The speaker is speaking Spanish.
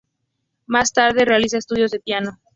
Más tarde realiza estudios de piano.